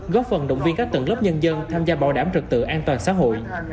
góp phần động viên các tận lớp nhân dân tham gia bảo đảm trật tự an toàn xã hội